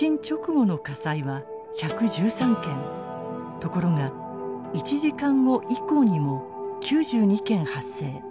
ところが１時間後以降にも９２件発生。